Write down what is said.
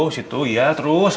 situ iya terus